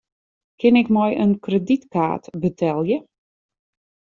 Kin ik mei in kredytkaart betelje?